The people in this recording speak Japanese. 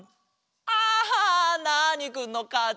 あナーニくんのかち。